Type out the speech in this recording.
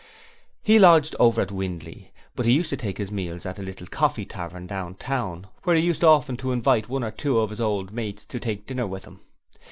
He lodged over at Windley, but he used to take his meals at a little coffee tavern down town, where he used often to invite one or two of his old mates to take dinner with him.